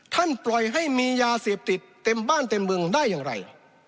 ปล่อยให้มียาเสพติดเต็มบ้านเต็มเมืองได้อย่างไร